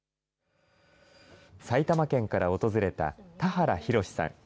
埼玉県から訪れた田原博士さん。